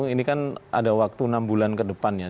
ini kan ada waktu enam bulan ke depannya